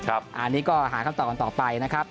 อันนี้ก็หาคำตอบกันต่อไปนะครับ